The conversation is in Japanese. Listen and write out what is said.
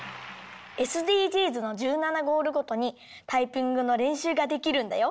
ＳＤＧｓの１７ゴールごとにタイピングのれんしゅうができるんだよ。